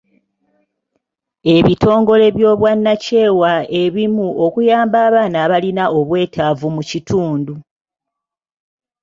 Ebitongole by'obwannakyewa ebimu okuyamba abaana abalina obwetaavu mu kitundu.